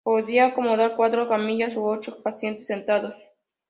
Podía acomodar cuatro camillas u ocho pacientes sentados.